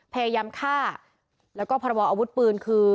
พยายามฆ่าแล้วก็พรบออาวุธปืนคือ